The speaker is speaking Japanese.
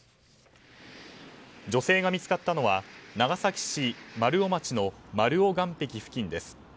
女性が見つかったのは長崎市丸尾町の丸尾岸壁付近です。